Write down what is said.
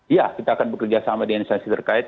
iya kita akan bekerja sama dengan instansi terkait